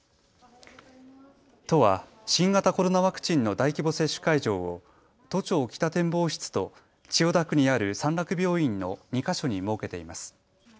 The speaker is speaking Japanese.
都は新型コロナワクチンの大規模接種会場を都庁北展望室と千代田区にある三楽病院の２か所に設けています。